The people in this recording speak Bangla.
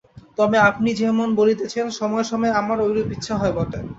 তবে আপনি যেমন বলিতেছেন, সময়ে সময়ে আমারও ঐরূপ ইচ্ছা হয় বটে।